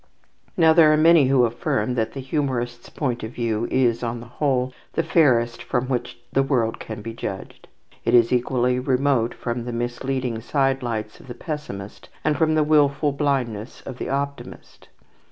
Now there are many who affirm that the humourist's point of view is, on the whole, the fairest from which the world can be judged. It is equally remote from the misleading side lights of the pessimist and from the wilful blindness of the optimist.